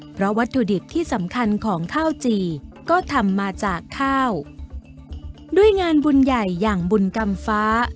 เพราะวัตถุดิบที่สำคัญของข้าวจี่ก็ทำมาจากข้าวด้วยงานบุญใหญ่อย่างบุญกรรมฟ้า